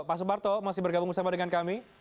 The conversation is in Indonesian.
pak suparto masih bergabung bersama dengan kami